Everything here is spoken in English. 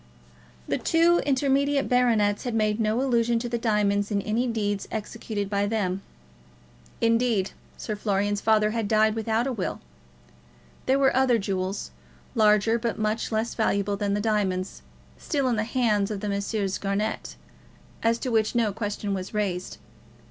The two intermediate baronets had made no allusion to the diamonds in any deeds executed by them. Indeed, Sir Florian's father had died without a will. There were other jewels, larger but much less valuable than the diamonds, still in the hands of the Messrs. Garnett, as to which no question was raised.